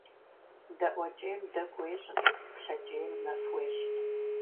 ДаӀуэкӀейм дэгу уещӀри, плъэкӀейм нэф уещӀ.